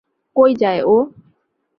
কই যায় ও?